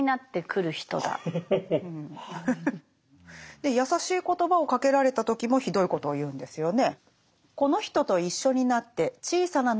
で優しい言葉をかけられた時もひどいことを言うんですよね。